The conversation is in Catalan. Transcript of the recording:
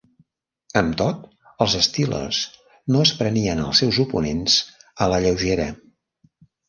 Amb tot, els Steelers no es prenien els seus oponents a la lleugera.